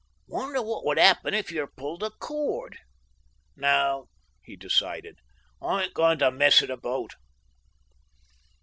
"Wonder what would happen if you pulled a cord?" "No," he decided. "I ain't going to mess it about."